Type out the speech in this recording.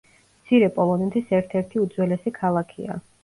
მცირე პოლონეთის ერთ-ერთი უძველესი ქალაქია.